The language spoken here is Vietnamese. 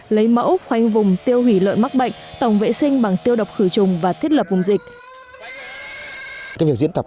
lấy mẫu khoanh vùng tiêu hủy lợn mắc bệnh tổng vệ sinh bằng tiêu độc khử trùng và thiết lập vùng dịch